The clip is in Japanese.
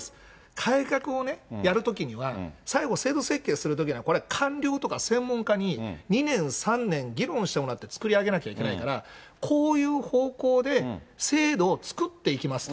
改革をね、やるときには、最後、制度設計するときにはするときにはね、これ、官僚とか、専門家に２年、３年、議論してもらって作り上げなきゃいけないから、こういう方向で制度を作っていきますと。